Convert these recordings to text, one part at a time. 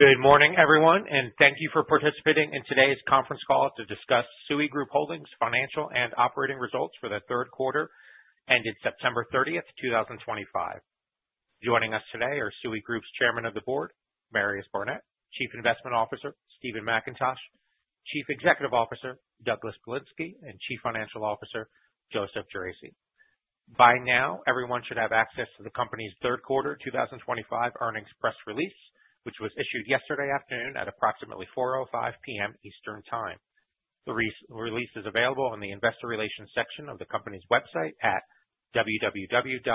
Good morning, everyone, and thank you for participating in today's conference call to discuss SUI Group Holdings' financial and operating results for the third quarter, ended September 30, 2025. Joining us today are SUI Group's Chairman of the Board, Marius Barnett, Chief Investment Officer, Stephen Mackintosh, Chief Executive Officer, Doug Polinsky, and Chief Financial Officer, Joe Geraci. By now, everyone should have access to the company's third quarter 2025 earnings press release, which was issued yesterday afternoon at approximately 4:05 P.M. Eastern Time. The release is available on the investor relations section of the company's website at www.suig.io.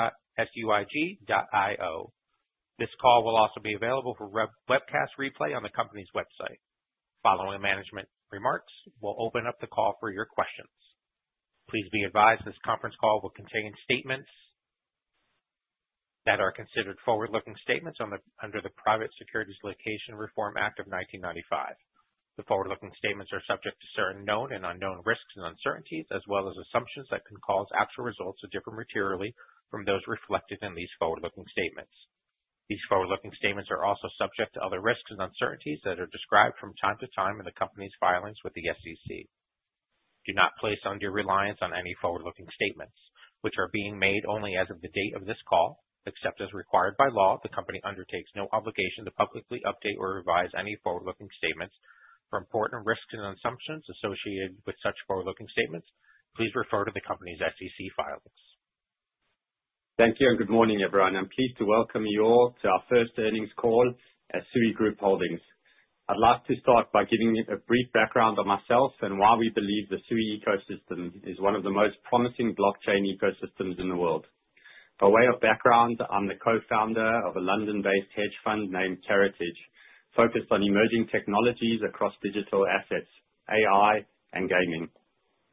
This call will also be available for webcast replay on the company's website. Following management remarks, we will open up the call for your questions. Please be advised this conference call will contain statements that are considered forward-looking statements under the Private Securities Litigation Reform Act of 1995. The forward-looking statements are subject to certain known and unknown risks and uncertainties, as well as assumptions that can cause actual results to differ materially from those reflected in these forward-looking statements. These forward-looking statements are also subject to other risks and uncertainties that are described from time to time in the company's filings with the SEC. Do not place undue reliance on any forward-looking statements, which are being made only as of the date of this call. Except as required by law, the company undertakes no obligation to publicly update or revise any forward-looking statements. For important risks and assumptions associated with such forward-looking statements, please refer to the company's SEC filings. Thank you, and good morning, everyone. I am pleased to welcome you all to our first earnings call at SUI Group Holdings. I would like to start by giving you a brief background on myself and why we believe the Sui ecosystem is one of the most promising blockchain ecosystems in the world. By way of background, I am the co-founder of a London-based hedge fund named Karatage, focused on emerging technologies across digital assets, AI, and gaming.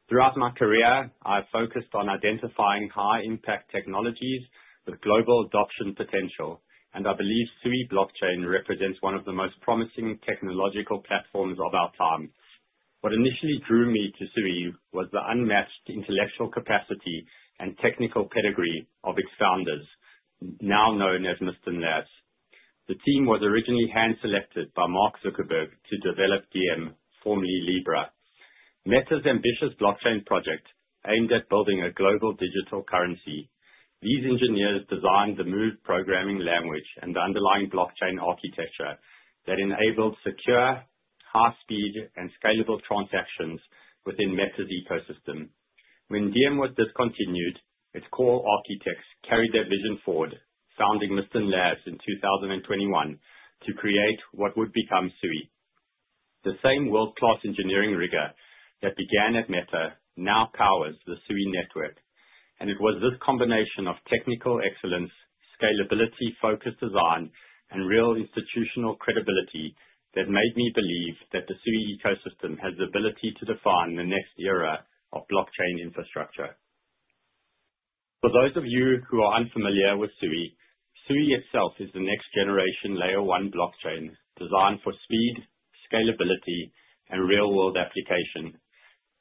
Throughout my career, I have focused on identifying high-impact technologies with global adoption potential, and I believe Sui blockchain represents one of the most promising technological platforms of our time. What initially drew me to Sui was the unmatched intellectual capacity and technical pedigree of its founders, now known as Mysten Labs. The team was originally hand-selected by Mark Zuckerberg to develop Diem, formerly Libra. Meta's ambitious blockchain project aimed at building a global digital currency. These engineers designed the Move programming language and the underlying blockchain architecture that enabled secure, high speed, and scalable transactions within Meta's ecosystem. When Diem was discontinued, its core architects carried their vision forward, founding Mysten Labs in 2021 to create what would become Sui. The same world-class engineering rigor that began at Meta now powers the Sui network, and it was this combination of technical excellence, scalability-focused design, and real institutional credibility that made me believe that the Sui ecosystem has the ability to define the next era of blockchain infrastructure. For those of you who are unfamiliar with Sui itself is the next generation Layer 1 blockchain designed for speed, scalability, and real-world application.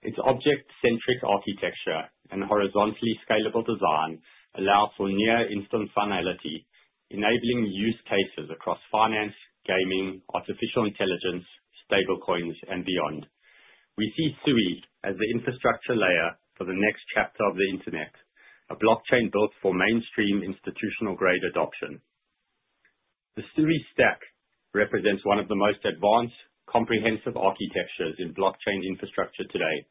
Its object-centric architecture and horizontally scalable design allow for near-instant finality, enabling use cases across finance, gaming, artificial intelligence, stablecoins, and beyond. We see Sui as the infrastructure layer for the next chapter of the internet, a blockchain built for mainstream institutional-grade adoption. The Sui Stack represents one of the most advanced, comprehensive architectures in blockchain infrastructure today,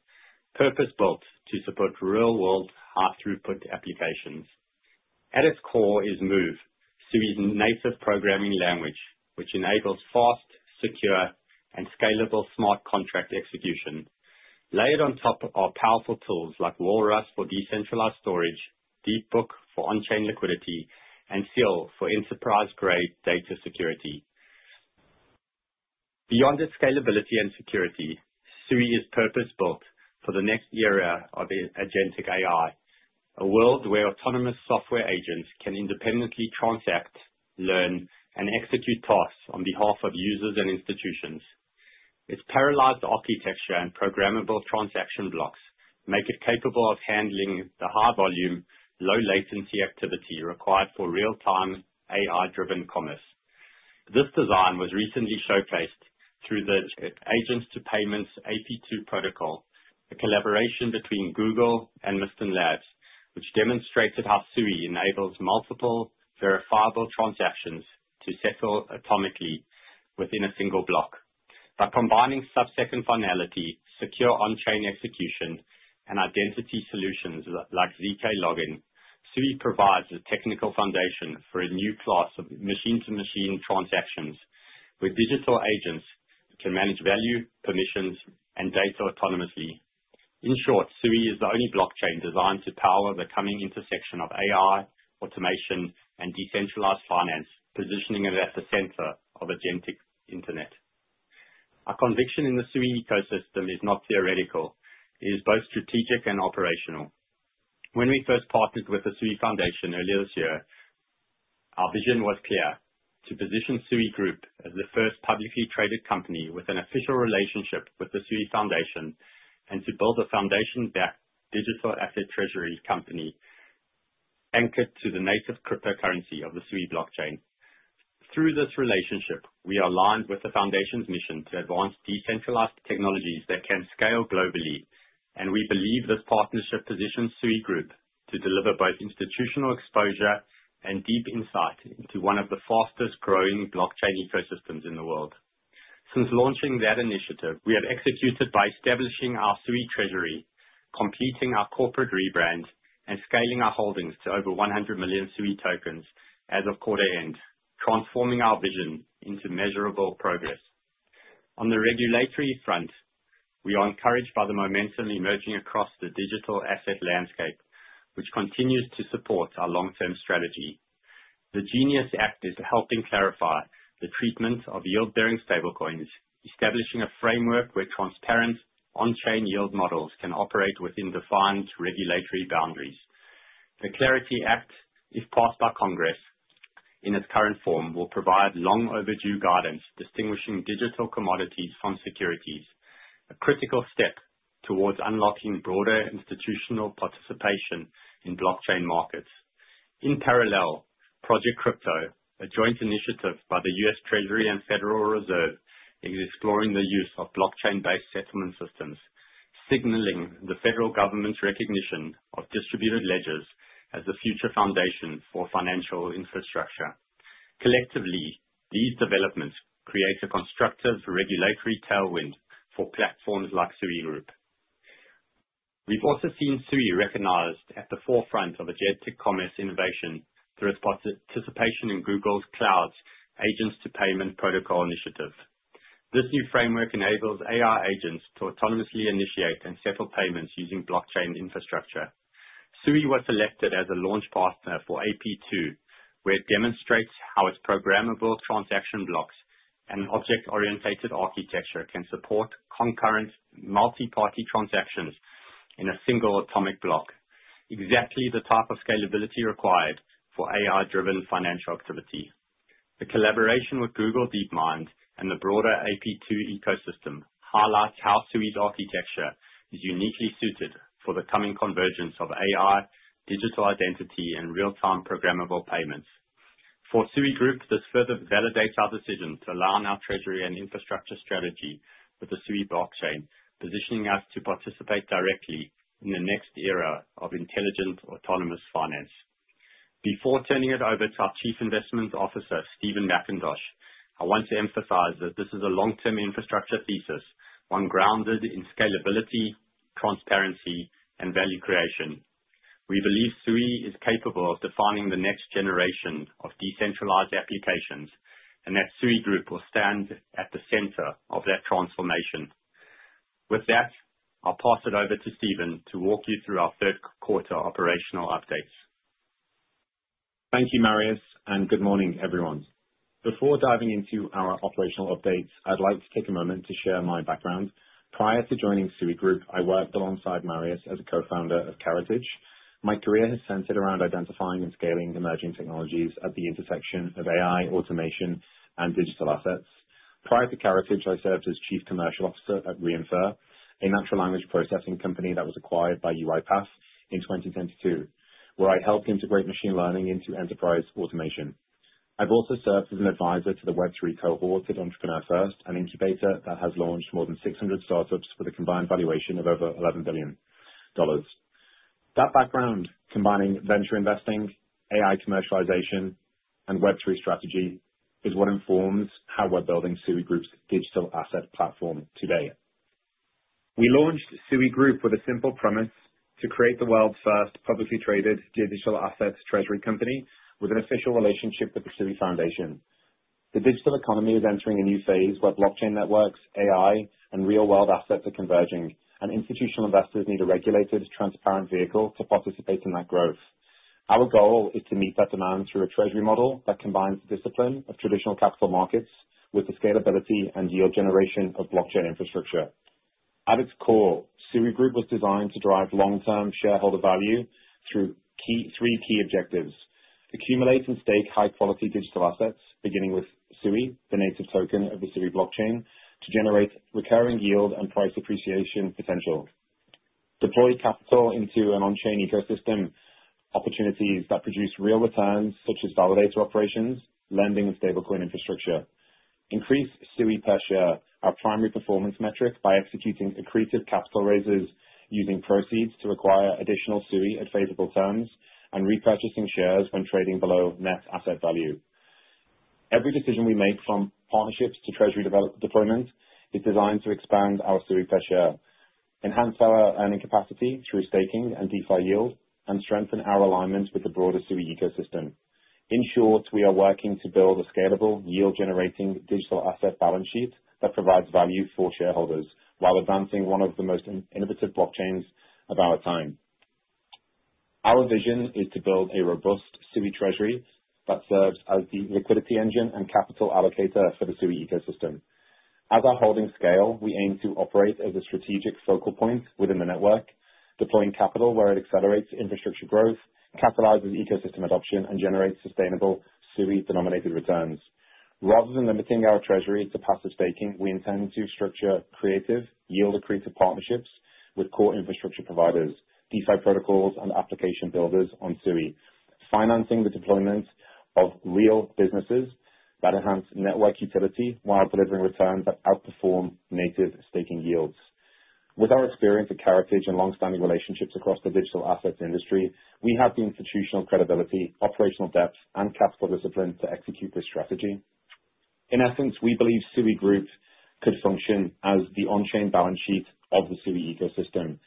purpose-built to support real-world high throughput applications. At its core is Move, Sui's native programming language, which enables fast, secure, and scalable smart contract execution. Layered on top are powerful tools like Walrus for decentralized storage, DeepBook for on-chain liquidity, and Seal for enterprise-grade data security. Beyond its scalability and security, Sui is purpose-built for the next era of agentic AI, a world where autonomous software agents can independently transact, learn, and execute tasks on behalf of users and institutions. Its parallelized architecture and Programmable Transaction Blocks make it capable of handling the high volume, low latency activity required for real-time AI-driven commerce. This design was recently showcased through the Agents to Payments, AP2 protocol, a collaboration between Google and Mysten Labs, which demonstrated how Sui enables multiple verifiable transactions to settle atomically within a single block. By combining subsecond finality, secure on-chain execution, and identity solutions like zkLogin, Sui provides the technical foundation for a new class of machine-to-machine transactions where digital agents can manage value, permissions, and data autonomously. In short, Sui is the only blockchain designed to power the coming intersection of AI, automation, and DeFi, positioning it at the center of agentic internet. Our conviction in the Sui ecosystem is not theoretical, it is both strategic and operational. When we first partnered with the Sui Foundation earlier this year, our vision was clear: to position SUI Group as the first publicly traded company with an official relationship with the Sui Foundation, and to build a foundation-backed digital asset treasury company anchored to the native cryptocurrency of the Sui blockchain. Through this relationship, we are aligned with the foundation's mission to advance decentralized technologies that can scale globally, and we believe this partnership positions SUI Group to deliver both institutional exposure and deep insight into one of the fastest-growing blockchain ecosystems in the world. Since launching that initiative, we have executed by establishing our SUI treasury, completing our corporate rebrand, and scaling our holdings to over 100 million SUI tokens as of quarter end, transforming our vision into measurable progress. On the regulatory front, we are encouraged by the momentum emerging across the digital asset landscape, which continues to support our long-term strategy. The GENIUS Act is helping clarify the treatment of yield-bearing stablecoins, establishing a framework where transparent on-chain yield models can operate within defined regulatory boundaries. The CLARITY Act, if passed by Congress in its current form, will provide long-overdue guidance distinguishing digital commodities from securities, a critical step towards unlocking broader institutional participation in blockchain markets. In parallel, Project Crypto, a joint initiative by the U.S. Department of the Treasury and Federal Reserve, is exploring the use of blockchain-based settlement systems, signaling the federal government's recognition of distributed ledgers as the future foundation for financial infrastructure. Collectively, these developments create a constructive regulatory tailwind for platforms like SUI Group. We've also seen SUI recognized at the forefront of agentic commerce innovation through its participation in Google Cloud's Agents to Payment Protocol Initiative. This new framework enables AI agents to autonomously initiate and settle payments using blockchain infrastructure. SUI was selected as a launch partner for AP2, where it demonstrates how its programmable transaction blocks and object-centric architecture can support concurrent multi-party transactions in a single atomic block. Exactly the type of scalability required for AI-driven financial activity. The collaboration with Google DeepMind and the broader AP2 ecosystem highlights how SUI's architecture is uniquely suited for the coming convergence of AI, digital identity, and real-time programmable payments. For SUI Group, this further validates our decision to align our treasury and infrastructure strategy with the SUI blockchain, positioning us to participate directly in the next era of intelligent autonomous finance. Before turning it over to our Chief Investment Officer, Stephen Mackintosh, I want to emphasize that this is a long-term infrastructure thesis, one grounded in scalability, transparency, and value creation. We believe SUI is capable of defining the next generation of decentralized applications, and that SUI Group will stand at the center of that transformation. With that, I'll pass it over to Stephen to walk you through our third quarter operational updates. Thank you, Marius, and good morning, everyone. Before diving into our operational updates, I'd like to take a moment to share my background. Prior to joining SUI Group, I worked alongside Marius as a co-founder of Karatage. My career has centered around identifying and scaling emerging technologies at the intersection of AI, automation, and digital assets. Prior to Karatage, I served as Chief Commercial Officer at Re:infer, a natural language processing company that was acquired by UiPath in 2022, where I helped integrate machine learning into enterprise automation. I've also served as an advisor to the Web3 cohort at Entrepreneur First, an incubator that has launched more than 600 startups with a combined valuation of over $11 billion. That background, combining venture investing, AI commercialization, and Web3 strategy, is what informs how we're building SUI Group's digital asset platform today. We launched SUI Group with a simple premise to create the world's first publicly traded digital assets treasury company with an official relationship with the SUI Foundation. The digital economy is entering a new phase where blockchain networks, AI, and real-world assets are converging, and institutional investors need a regulated, transparent vehicle to participate in that growth. Our goal is to meet that demand through a treasury model that combines discipline of traditional capital markets with the scalability and yield generation of blockchain infrastructure. At its core, SUI Group was designed to drive long-term shareholder value through three key objectives. Accumulate and stake high-quality digital assets, beginning with SUI, the native token of the SUI blockchain, to generate recurring yield and price appreciation potential. Deploy capital into an on-chain ecosystem opportunities that produce real returns, such as validator operations, lending, and stablecoin infrastructure. Increase SUI per share, our primary performance metric, by executing accretive capital raises using proceeds to acquire additional SUI at favorable terms and repurchasing shares when trading below net asset value. Every decision we make, from partnerships to treasury deployment, is designed to expand our SUI per share, enhance our earning capacity through staking and DeFi yield, and strengthen our alignment with the broader SUI ecosystem. In short, we are working to build a scalable, yield-generating digital asset balance sheet that provides value for shareholders while advancing one of the most innovative blockchains of our time. Our vision is to build a robust SUI treasury that serves as the liquidity engine and capital allocator for the SUI ecosystem. As our holdings scale, we aim to operate as a strategic focal point within the network, deploying capital where it accelerates infrastructure growth, catalyzes ecosystem adoption, and generates sustainable, SUI-denominated returns. Rather than limiting our treasury to passive staking, we intend to structure creative yield accretive partnerships with core infrastructure providers, DeFi protocols, and application builders on Sui. Financing the deployment of real businesses that enhance network utility while delivering returns that outperform native staking yields. With our experience at Karatage and long-standing relationships across the digital asset industry, we have the institutional credibility, operational depth, and capital discipline to execute this strategy. In essence, we believe SUI Group could function as the on-chain balance sheet of the Sui ecosystem,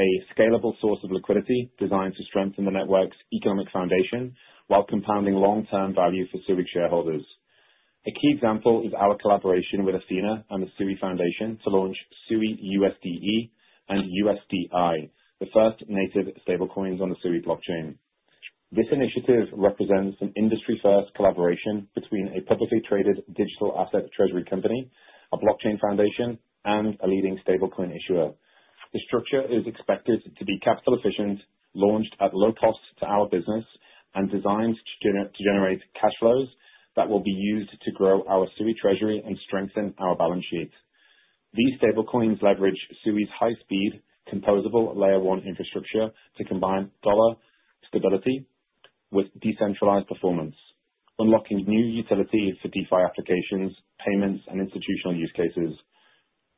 a scalable source of liquidity designed to strengthen the network's economic foundation while compounding long-term value for SUI shareholders. A key example is our collaboration with Ethena and the Sui Foundation to launch suiUSDe and USDi, the first native stablecoins on the Sui blockchain. This initiative represents an industry-first collaboration between a publicly traded digital asset treasury company, a blockchain foundation, and a leading stablecoin issuer. The structure is expected to be capital efficient, launched at low cost to our business, and designed to generate cash flows that will be used to grow our SUI treasury and strengthen our balance sheet. These stablecoins leverage Sui's high-speed composable Layer 1 infrastructure to combine dollar stability with decentralized performance, unlocking new utility for DeFi applications, payments, and institutional use cases.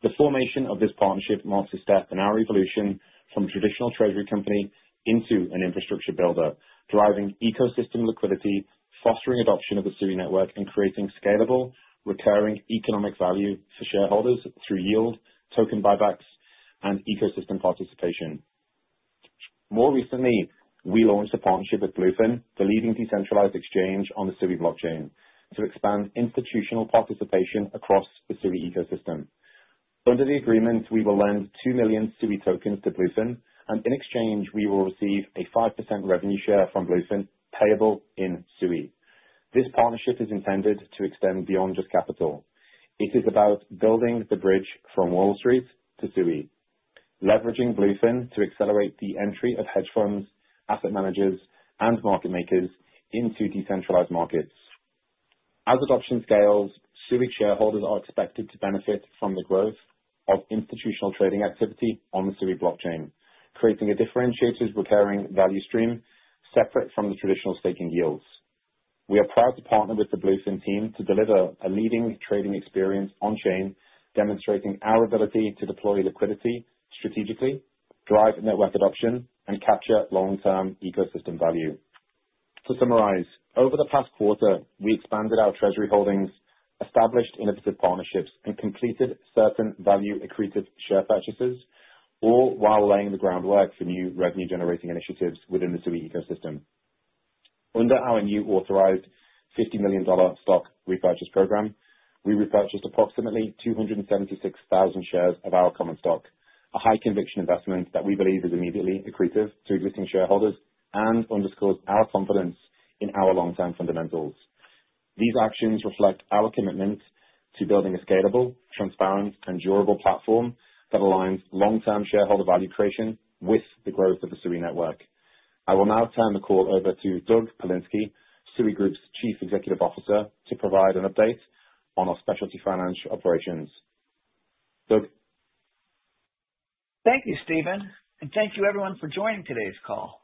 The formation of this partnership marks a step in our evolution from a traditional treasury company into an infrastructure builder, driving ecosystem liquidity, fostering adoption of the Sui network, and creating scalable, recurring economic value for shareholders through yield, token buybacks, and ecosystem participation. More recently, we launched a partnership with Bluefin, the leading decentralized exchange on the Sui blockchain, to expand institutional participation across the Sui ecosystem. Under the agreement, we will lend 2 million SUI tokens to Bluefin, and in exchange, we will receive a 5% revenue share from Bluefin payable in SUI. This partnership is intended to extend beyond just capital. It is about building the bridge from Wall Street to Sui, leveraging Bluefin to accelerate the entry of hedge funds, asset managers, and market makers into decentralized markets. As adoption scales, SUI shareholders are expected to benefit from the growth of institutional trading activity on the Sui blockchain, creating a differentiated recurring value stream separate from the traditional staking yields. We are proud to partner with the Bluefin team to deliver a leading trading experience on-chain, demonstrating our ability to deploy liquidity strategically, drive network adoption, and capture long-term ecosystem value. To summarize, over the past quarter, we expanded our treasury holdings, established innovative partnerships, and completed certain value-accretive share purchases, all while laying the groundwork for new revenue-generating initiatives within the Sui ecosystem. Under our new authorized $50 million stock repurchase program, we repurchased approximately 276,000 shares of our common stock, a high conviction investment that we believe is immediately accretive to existing shareholders and underscores our confidence in our long-term fundamentals. These actions reflect our commitment to building a scalable, transparent, and durable platform that aligns long-term shareholder value creation with the growth of the Sui network. I will now turn the call over to Doug Polinsky, SUI Group's Chief Executive Officer, to provide an update on our specialty financial operations. Doug? Thank you, Stephen, and thank you everyone for joining today's call.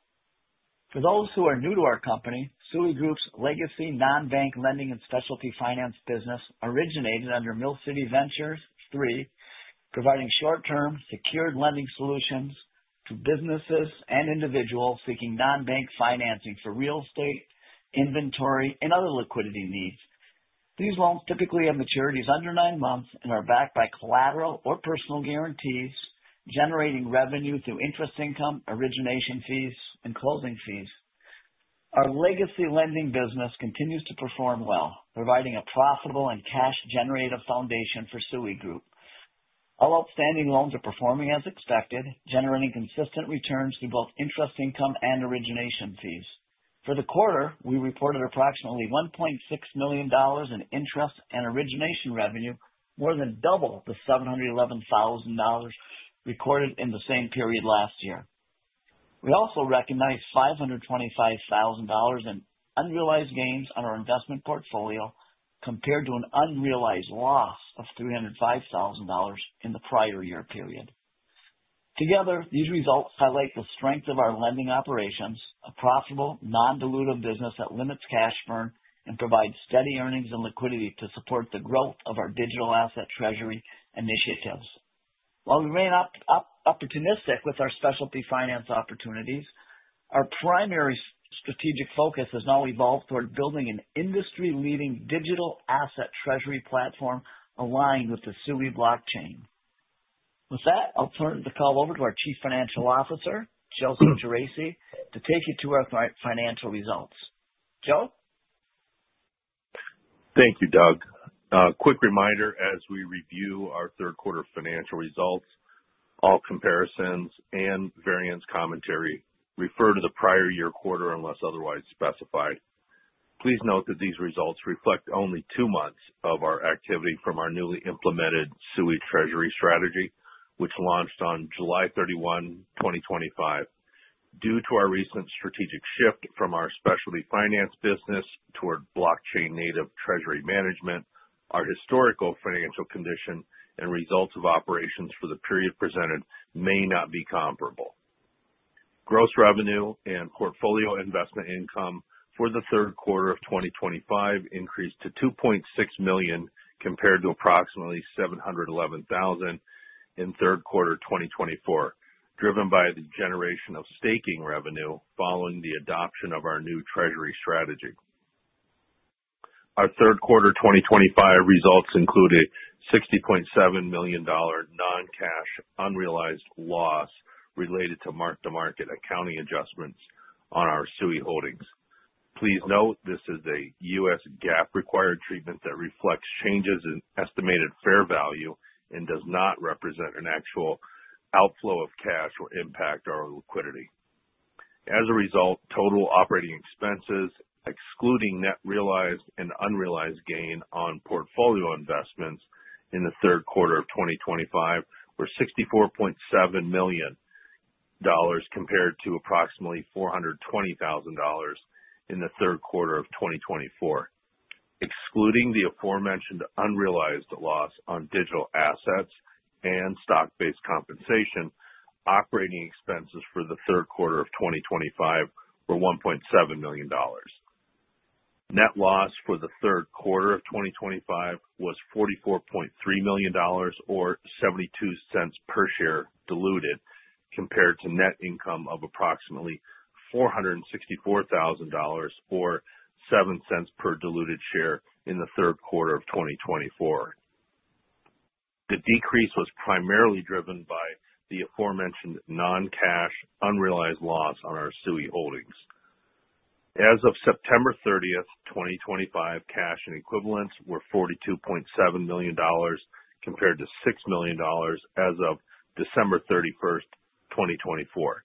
For those who are new to our company, SUI Group's legacy non-bank lending and specialty finance business originated under Mill City Ventures III, providing short-term secured lending solutions to businesses and individuals seeking non-bank financing for real estate, inventory, and other liquidity needs. These loans typically have maturities under nine months and are backed by collateral or personal guarantees, generating revenue through interest income, origination fees, and closing fees. Our legacy lending business continues to perform well, providing a profitable and cash-generative foundation for SUI Group. All outstanding loans are performing as expected, generating consistent returns through both interest income and origination fees. For the quarter, we reported approximately $1.6 million in interest and origination revenue, more than double the $711,000 recorded in the same period last year. We also recognized $525,000 in unrealized gains on our investment portfolio, compared to an unrealized loss of $305,000 in the prior year period. Together, these results highlight the strength of our lending operations, a profitable non-dilutive business that limits cash burn and provides steady earnings and liquidity to support the growth of our digital asset treasury initiatives. While we remain opportunistic with our specialty finance opportunities, our primary strategic focus has now evolved toward building an industry-leading digital asset treasury platform aligned with the Sui blockchain. With that, I'll turn the call over to our Chief Financial Officer, Joe Geraci, to take you through our financial results. Joe? Thank you, Doug. A quick reminder, as we review our third quarter financial results, all comparisons and variance commentary refer to the prior year quarter unless otherwise specified. Please note that these results reflect only two months of our activity from our newly implemented SUI treasury strategy, which launched on July 31, 2025. Due to our recent strategic shift from our specialty finance business toward blockchain-native treasury management, our historical financial condition and results of operations for the period presented may not be comparable. Gross revenue and portfolio investment income for the third quarter of 2025 increased to $2.6 million compared to approximately $711,000 in third quarter 2024, driven by the generation of staking revenue following the adoption of our new treasury strategy. Our third quarter 2025 results include a $60.7 million non-cash unrealized loss related to mark-to-market accounting adjustments on our SUI holdings. Please note this is a U.S. GAAP-required treatment that reflects changes in estimated fair value and does not represent an actual outflow of cash or impact our liquidity. As a result, total operating expenses, excluding net realized and unrealized gain on portfolio investments in the third quarter of 2025, were $64.7 million compared to approximately $420,000 in the third quarter of 2024. Excluding the aforementioned unrealized loss on digital assets and stock-based compensation, operating expenses for the third quarter of 2025 were $1.7 million. Net loss for the third quarter of 2025 was $44.3 million or $0.72 per share diluted compared to net income of approximately $464,000 or $0.07 per diluted share in the third quarter of 2024. The decrease was primarily driven by the aforementioned non-cash unrealized loss on our SUI holdings. As of September thirtieth, 2025, cash and equivalents were $42.7 million compared to $6 million as of December thirty-first, 2024.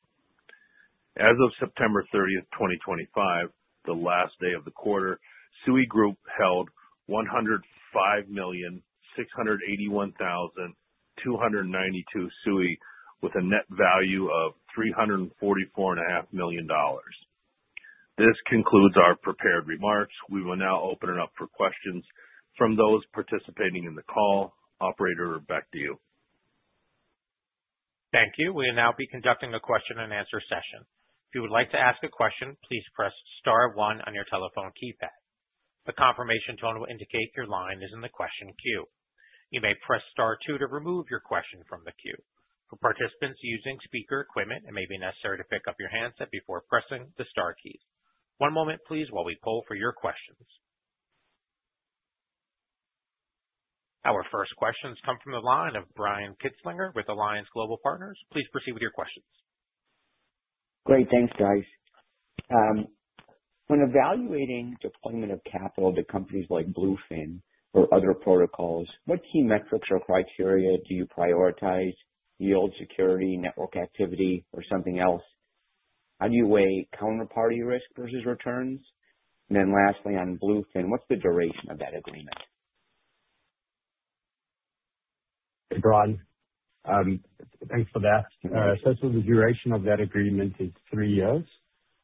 As of September thirtieth, 2025, the last day of the quarter, SUI Group held 105,681,292 SUI with a net value of three hundred and forty-four and a half million dollars. This concludes our prepared remarks. We will now open it up for questions from those participating in the call. Operator, back to you. Thank you. We will now be conducting a question and answer session. If you would like to ask a question, please press star one on your telephone keypad. The confirmation tone will indicate your line is in the question queue. You may press star two to remove your question from the queue. For participants using speaker equipment, it may be necessary to pick up your handset before pressing the star keys. One moment, please, while we poll for your questions. Our first questions come from the line of Brian Kinstlinger with Alliance Global Partners. Please proceed with your questions. Great. Thanks, guys. When evaluating deployment of capital to companies like Bluefin or other protocols, what key metrics or criteria do you prioritize? Yield security, network activity, or something else? How do you weigh counterparty risk versus returns? Lastly, on Bluefin, what's the duration of that agreement? Brian, thanks for that. The duration of that agreement is three years,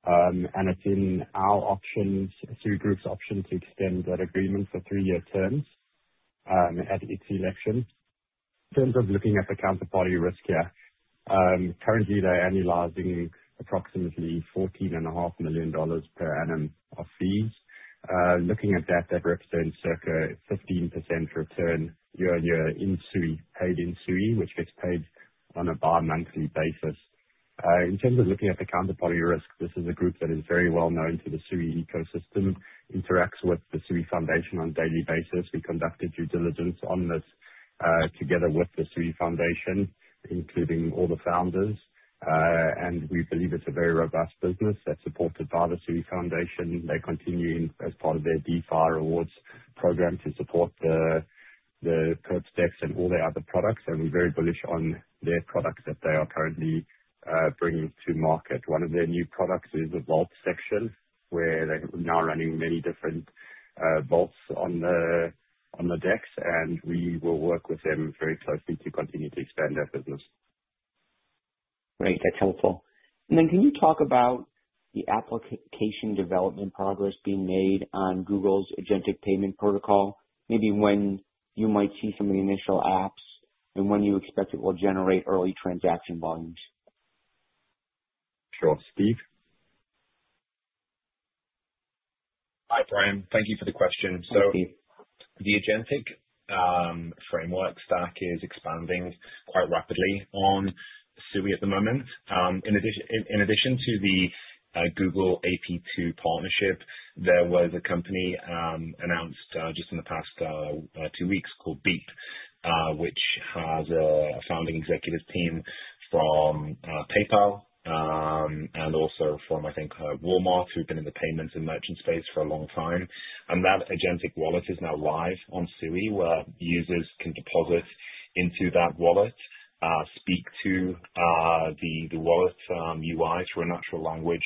and it's in our options, SUI Group's option to extend that agreement for three-year terms at its election. In terms of looking at the counterparty risk here, currently they're annualizing approximately fourteen and a half million dollars per annum of fees. Looking at that represents circa 15% return year-on-year in SUI, paid in SUI, which gets paid on a bi-monthly basis. In terms of looking at the counterparty risk, this is a group that is very well known to the SUI ecosystem, interacts with the SUI Foundation on a daily basis. We conducted due diligence on this together with the SUI Foundation, including all the founders. We believe it's a very robust business that's supported by the SUI Foundation. They're continuing as part of their DeFi rewards program to support the Perp DEX and all their other products. We're very bullish on their products that they are currently bringing to market. One of their new products is a vault section, where they're now running many different vaults on the DEX. We will work with them very closely to continue to expand their business. Great. That's helpful. Can you talk about the application development progress being made on Google's Agentic payment protocol, maybe when you might see some of the initial apps and when you expect it will generate early transaction volumes? Sure. Steve? Hi, Brian. Thank you for the question. Thank you. The Agentic framework stack is expanding quite rapidly on SUI at the moment. In addition to the Google AP2 partnership, there was a company announced just in the past two weeks called Beep, which has a founding executive team from PayPal and also from, I think, Walmart, who've been in the payments and merchant space for a long time. That Agentic wallet is now live on SUI, where users can deposit into that wallet, speak to the wallet's UI through a natural language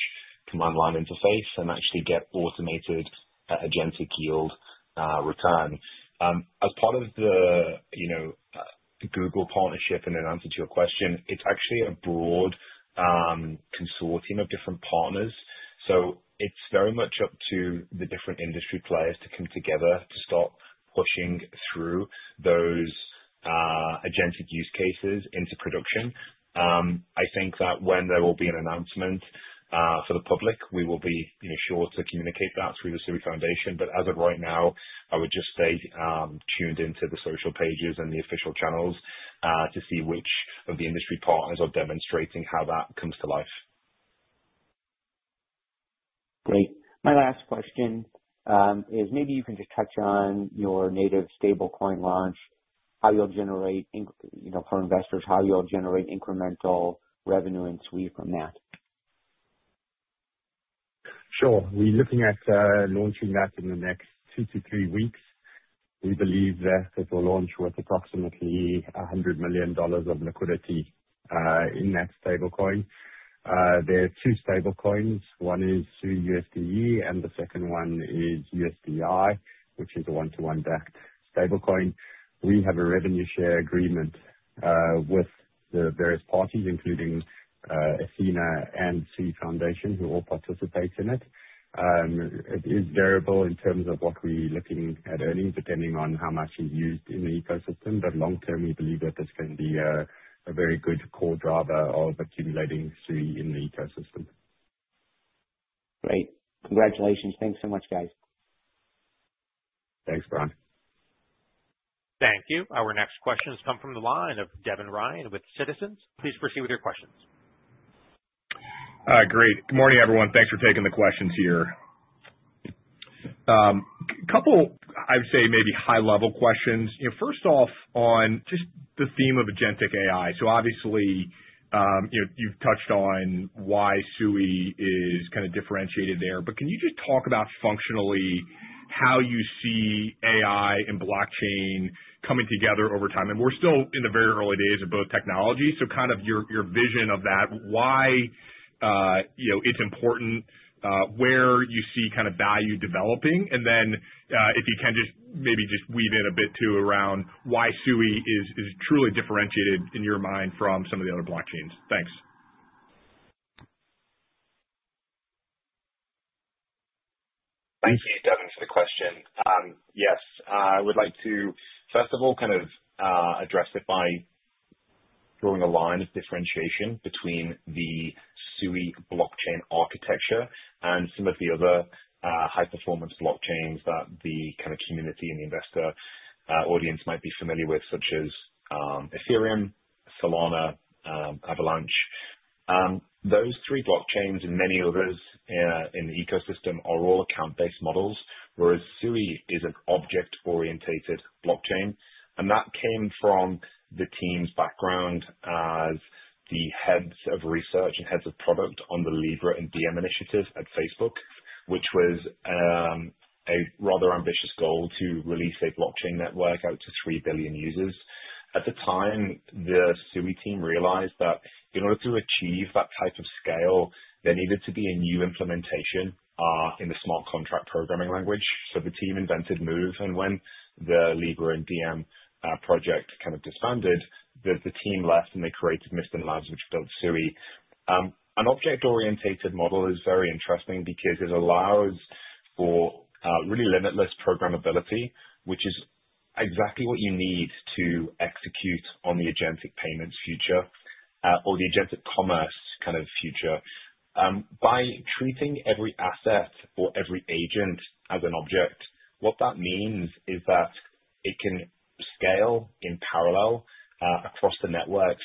command line interface and actually get automated agentic yield return. As part of the Google partnership, and in answer to your question, it's actually a broad consortium of different partners. It's very much up to the different industry players to come together to start pushing through those agentic use cases into production. I think that when there will be an announcement for the public, we will be sure to communicate that through the Sui Foundation. As of right now, I would just stay tuned into the social pages and the official channels, to see which of the industry partners are demonstrating how that comes to life. Great. My last question is maybe you can just touch on your native stablecoin launch, for investors, how you'll generate incremental revenue in SUI from that. Sure. We're looking at launching that in the next two to three weeks. We believe that it will launch with approximately $100 million of liquidity in that stablecoin. There are two stablecoins. One is suiUSDe and the second one is USDi, which is a one-to-one backed stablecoin. We have a revenue share agreement with the various parties, including Ethena and Sui Foundation, who all participate in it. It is variable in terms of what we're looking at earnings, depending on how much is used in the ecosystem. Long term, we believe that this can be a very good core driver of accumulating SUI in the ecosystem. Great. Congratulations. Thanks so much, guys. Thanks, Brian. Thank you. Our next question has come from the line of Devin Ryan with Citizens. Please proceed with your questions. Great. Good morning, everyone. Thanks for taking the questions here. A couple, I'd say maybe high level questions. First off, on just the theme of agentic AI. Obviously, you've touched on why Sui is kind of differentiated there, but can you just talk about functionally how you see AI and blockchain coming together over time? We're still in the very early days of both technologies, so kind of your vision of that, why it's important, where you see value developing, and then, if you can just maybe just weave in a bit too around why Sui is truly differentiated in your mind from some of the other blockchains. Thanks. Thank you, Devin, for the question. Yes. I would like to first of all kind of address it by drawing a line of differentiation between the Sui blockchain architecture and some of the other high-performance blockchains that the kind of community and the investor audience might be familiar with, such as Ethereum, Solana, Avalanche. Those three blockchains and many others in the ecosystem are all account-based models, whereas Sui is an object-orientated blockchain, and that came from the team's background as the heads of research and heads of product on the Libra and Diem initiatives at Facebook, which was a rather ambitious goal to release a blockchain network out to 3 billion users. At the time, the Sui team realized that in order to achieve that type of scale, there needed to be a new implementation in the smart contract programming language. The team invented Move, and when the Libra and Diem project kind of disbanded, the team left, and they created Mysten Labs, which built Sui. An object-orientated model is very interesting because it allows for really limitless programmability, which is exactly what you need to execute on the agentic payments future, or the agentic commerce kind of future. By treating every asset or every agent as an object, what that means is that it can scale in parallel across the network.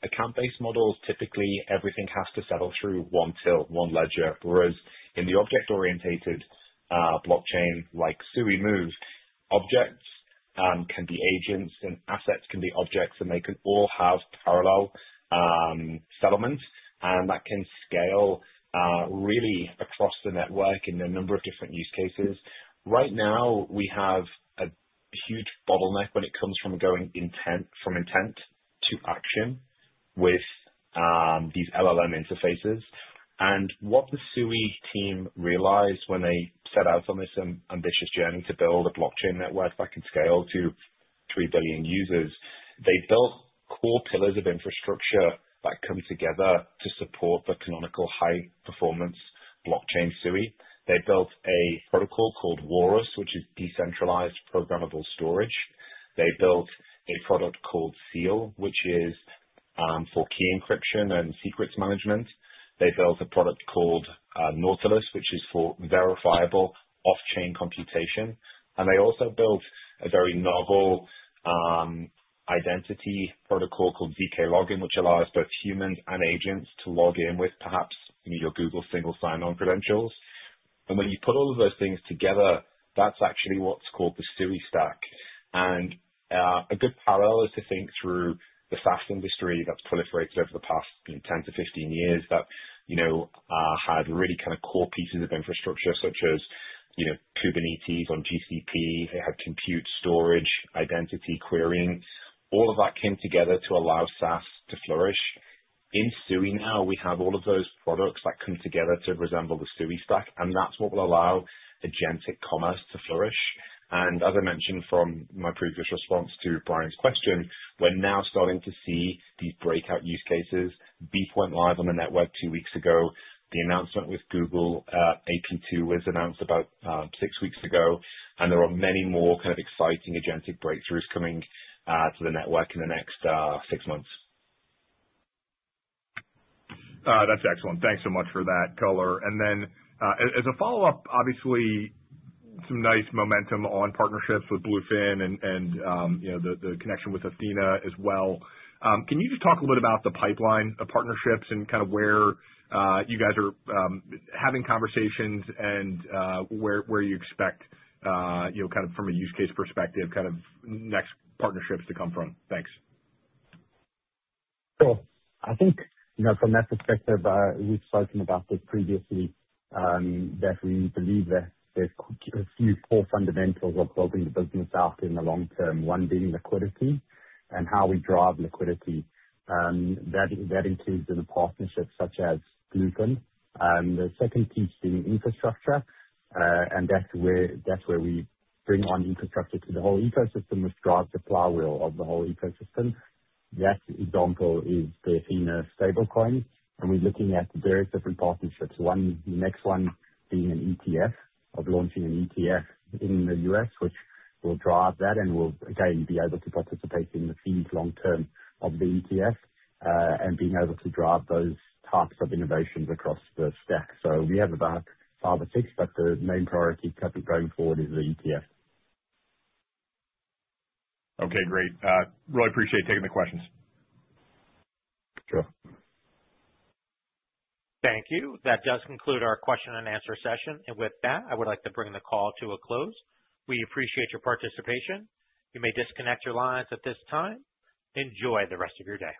Account-based models, typically, everything has to settle through one till, one ledger. Whereas in the object-orientated blockchain, like Sui Move, objects can be agents and assets can be objects, and they can all have parallel settlement, and that can scale really across the network in a number of different use cases. Right now, we have a huge bottleneck when it comes from going from intent to action with these LLM interfaces. What the Sui team realized when they set out on this ambitious journey to build a blockchain network that can scale to 3 billion users, they built core pillars of infrastructure that come together to support the canonical high-performance blockchain, Sui. They built a protocol called Walrus, which is decentralized programmable storage. They built a product called Seal, which is for key encryption and secrets management. They built a product called Nautilus, which is for verifiable off-chain computation. They also built a very novel identity protocol called zkLogin, which allows both humans and agents to log in with perhaps your Google single sign-on credentials. When you put all of those things together, that's actually what's called the Sui Stack. A good parallel is to think through the SaaS industry that's proliferated over the past 10-15 years that had really kind of core pieces of infrastructure such as Kubernetes on GCP, they had compute storage, identity querying. All of that came together to allow SaaS to flourish. In SUI now, we have all of those products that come together to resemble the Sui Stack, and that's what will allow agentic commerce to flourish. As I mentioned from my previous response to Brian's question, we're now starting to see these breakout use cases. Beep went live on the network 2 weeks ago. The announcement with Google, AP2 was announced about 6 weeks ago, and there are many more exciting agentic breakthroughs coming to the network in the next 6 months. That's excellent. Thanks so much for that color. As a follow-up, obviously some nice momentum on partnerships with Bluefin and the connection with Ethena as well. Can you just talk a bit about the pipeline of partnerships and where you guys are having conversations and where you expect from a use case perspective, next partnerships to come from? Thanks. Sure. I think from that perspective, we've spoken about this previously, that we believe that there's a few core fundamentals of building the business out in the long term, one being liquidity and how we drive liquidity. That includes in partnerships such as Bluefin. The second piece being infrastructure, and that's where we bring on infrastructure to the whole ecosystem, which drives the flywheel of the whole ecosystem. That example is the Ethena stablecoin. We're looking at various different partnerships. The next one being an ETF, of launching an ETF in the U.S., which will drive that and will again, be able to participate in the fees long term of the ETF. Being able to drive those types of innovations across the stack. We have about five or six, but the main priority going forward is the ETF. Okay, great. Really appreciate you taking the questions. Sure. Thank you. That does conclude our question and answer session. With that, I would like to bring the call to a close. We appreciate your participation. You may disconnect your lines at this time. Enjoy the rest of your day.